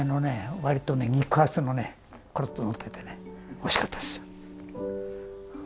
わりと肉厚のねころっとのっててねおいしかったですよ。